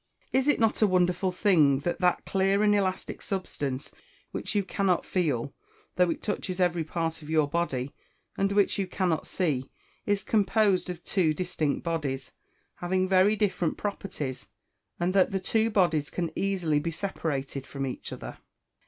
Is it not a wonderful thing that that clear and elastic substance, which you cannot feel, though it touches every part of your body, and which you cannot see, is composed of two distinct bodies, having very different properties; and that the two bodies can easily be separated from each other?